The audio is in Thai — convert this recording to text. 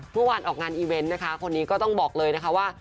เมื่อวานออกงานอีเวนต์นะคะคนนี้ก็ต้องบอกเลยนะคะว่า